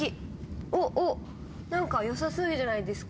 お、お、なんかよさそうじゃないですか。